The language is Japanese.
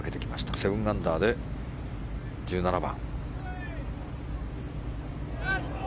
７アンダーで１７番。